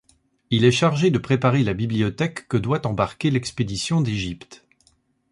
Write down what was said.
Il est chargé de préparer la bibliothèque que doit embarquer l'expédition d'Égypte.